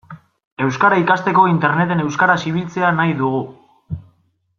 Euskara ikasteko Interneten euskaraz ibiltzea nahi dugu.